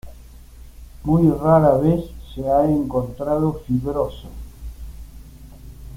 Muy rara vez se ha encontrado fibroso.